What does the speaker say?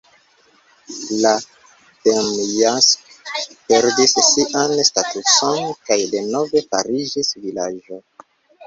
La Demjansk perdis sian statuson kaj denove fariĝis vilaĝo.